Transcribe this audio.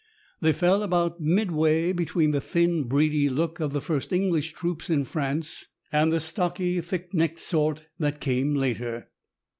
They fell about midway between the thin, breedy look of the first English troops in France and the stocky, thick necked sort that came later.